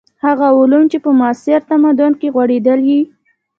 هغه علوم چې په معاصر تمدن کې غوړېدلي.